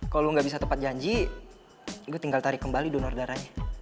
kalau lo gak bisa tepat janji gue tinggal tarik kembali donor darahnya